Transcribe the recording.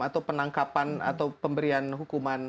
atau penangkapan atau pemberian hukuman